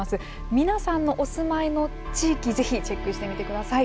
皆さんのお住まいの地域是非チェックしてみてください。